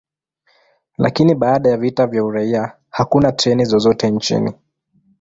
Lakini baada ya vita vya uraia, hakuna treni zozote nchini.